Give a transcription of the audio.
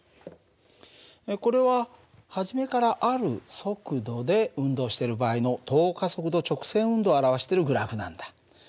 これは初めからある速度で運動している場合の等加速度直線運動を表しているグラフなんだ。